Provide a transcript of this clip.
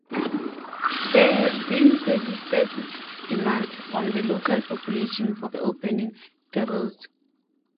There have been persistent demands from the local population for reopening the route.